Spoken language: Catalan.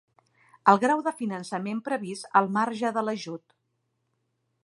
El grau de finançament previst al marge de l'ajut.